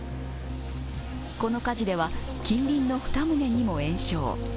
この火事では、近隣の２棟にも延焼。